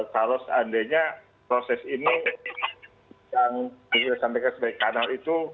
kalau seandainya proses ini yang kita sampaikan sebagai kanal itu